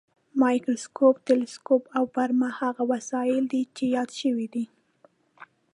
مایکروسکوپ، تلسکوپ او برمه هغه وسایل دي چې یاد شوي دي.